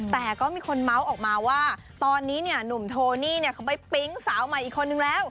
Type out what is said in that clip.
แต่ก็มีคนเมาส์ออกมาว่าตอนนี้เนี่ยหนุ่มโทนี่เขาไปปิ๊งสาวใหม่อีกคนนึงแล้ว